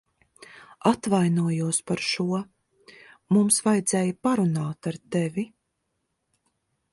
Atvainojos par šo. Mums vajadzēja parunāt ar tevi.